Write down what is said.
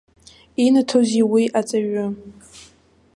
Инаҭозеи уи аҵаҩы?